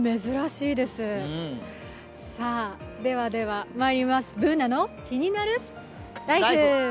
では「ＢｏｏｎａのキニナルＬＩＦＥ」。